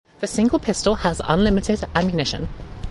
The single pistol has unlimited ammunition.